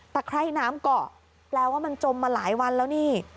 ไคร่น้ำเกาะแปลว่ามันจมมาหลายวันแล้วนี่